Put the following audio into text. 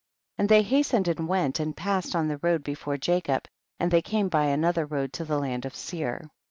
55. And thev hastened and went and passed on the road before Jacob, and they came by another road to the land of Seir.